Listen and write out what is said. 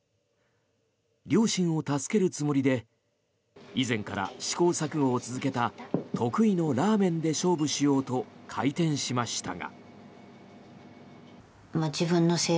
両親を助けるつもりで以前から試行錯誤を続けた得意のラーメンで勝負しようと開店しましたが。